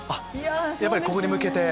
やっぱりここに向けて。